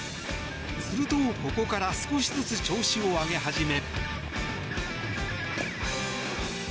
すると、ここから少しずつ調子を上げ始め。